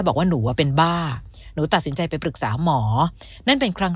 บอกว่าหนูเป็นบ้าหนูตัดสินใจไปปรึกษาหมอนั่นเป็นครั้ง